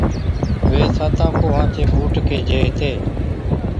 وي ساتان ڪوهان چي بُوٽ ڪيهجي هِتي۔